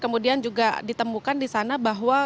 kemudian juga ditemukan di sana bahwa